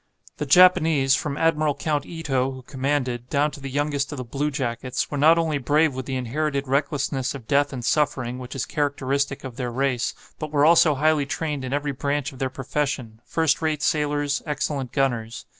The Japanese, from Admiral Count Ito, who commanded, down to the youngest of the bluejackets, were not only brave with the inherited recklessness of death and suffering, which is characteristic of their race, but were also highly trained in every branch of their profession, first rate sailors, excellent gunners.